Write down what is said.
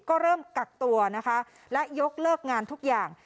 ก็เริ่มกักตัวนะคะและยกเลิกงานทุกอย่าง